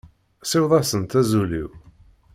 Siweḍ-asent azul-iw.